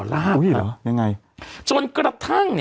สวัสดีครับคุณผู้ชม